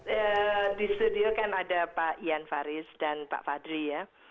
ya di studio kan ada pak ian faris dan pak fadli ya